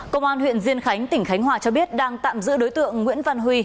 công an huyện diên khánh tỉnh khánh hòa cho biết đang tạm giữ đối tượng nguyễn văn huy